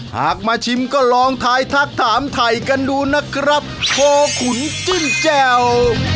หากมาชิมก็ลองทายทักถามถ่ายกันดูนะครับโพขุนจิ้มแจ่ว